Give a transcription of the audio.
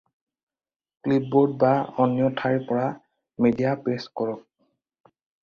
Clipboard বা অন্য ঠাইৰ পৰা মিডিয়া পে'ষ্ট কৰক।